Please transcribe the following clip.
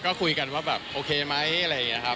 ก็คุยกันว่าแบบโอเคไหมอะไรอย่างนี้ครับ